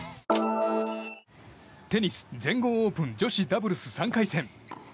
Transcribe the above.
テニス全豪オープン女子ダブルス３回戦。